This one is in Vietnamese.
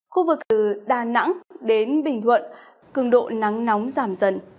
khu vực từ đà nẵng đến bình thuận cường độ nắng nóng giảm dần